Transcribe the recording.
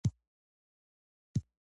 داسلامي حكومت موضوع